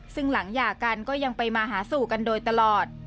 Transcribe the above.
ซึ่งหลังหย่ากันก็ยังไปมาหาสู่กันโดยตลอด